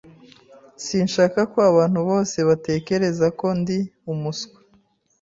Sinshaka ko abantu bose batekereza ko ndi umuswa.